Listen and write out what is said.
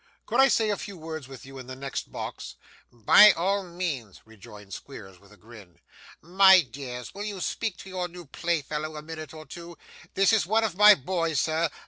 'Could I say a few words with you in the next box?' 'By all means,' rejoined Squeers with a grin. 'My dears, will you speak to your new playfellow a minute or two? That is one of my boys, sir.